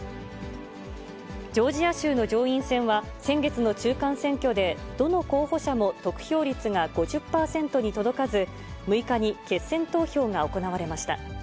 ジョージア州の上院選は先月の中間選挙で、どの候補者も得票率が５０％に届かず、６日に決選投票が行われました。